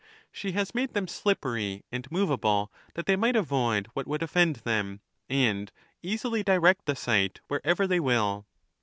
She has made them slippery and movable, that they might avoid what would offend them, and easily direct the sight wherever they will.